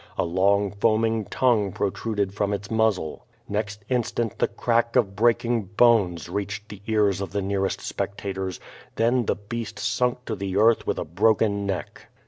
A long, foaming tongue protruded from its muzzle. Next instant the crack of breaking bones reached the ears of the nearest spectators; then the beast sunk to the earth with a broken neck.